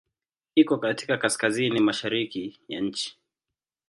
Iko katika kaskazini-mashariki ya nchi.